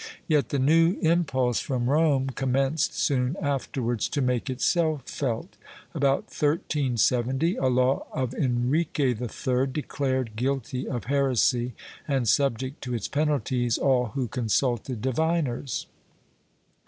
Yet the new impulse from Rome commenced soon afterwards to make itself felt. About 1370 a law of Enrique III declared guilty of heresy and subject to its penalties all who consulted diviners.